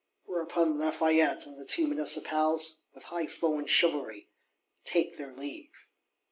Whereupon Lafayette and the two Municipals, with highflown chivalry, take their leave.